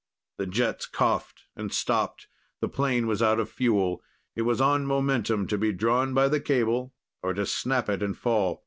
The jets coughed and stopped. The plane was out of fuel. It was on momentum to be drawn by the cable, or to snap it and fall.